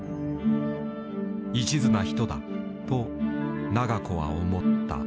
「一途な人だ」と永子は思った。